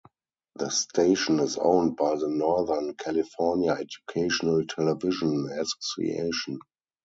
The station is owned by the Northern California Educational Television Association.